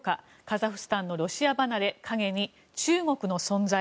カザフスタンのロシア離れ陰に中国の存在。